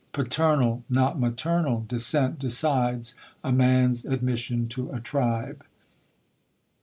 Paternal, not maternal descent decides a man's admission to a tribe."